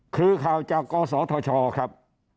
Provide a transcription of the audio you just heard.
คือข่าวจากกศธชครับ